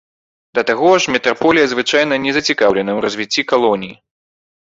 Да таго ж метраполія звычайна не зацікаўлена ў развіцці калоніі.